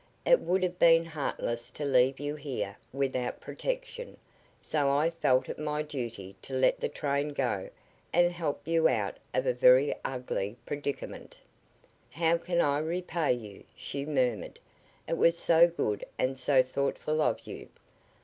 It would have been heartless to leave you here without protection, so I felt it my duty to let the train go and help you out of a very ugly predicament." "How can I ever repay you?" she murmured. "It was so good and so thoughtful of you.